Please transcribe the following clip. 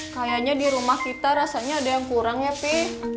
kayaknya di rumah kita rasanya ada yang kurang ya pi